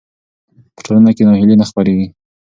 په ټولنه کې ناهیلي نه خپرېږي.